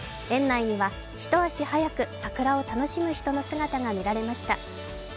園内には一足早く桜を楽しむ人の姿が見られました。